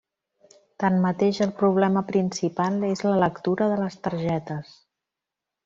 Tanmateix el problema principal és la lectura de les targetes.